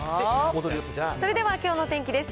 それではきょうの天気です。